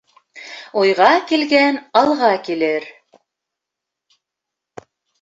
Уйға килгән алға килер.